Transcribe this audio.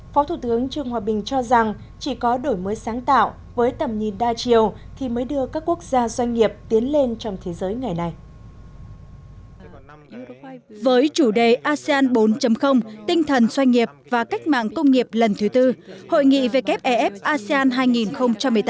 phó thủ tướng trương hòa bình cho rằng chỉ có đổi mới sáng tạo với tầm nhìn đa chiều thì mới đưa các quốc gia doanh nghiệp tiến lên trong thế giới ngày nay